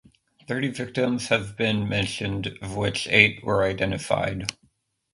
Thirty victims have been mentioned of which eight were identified.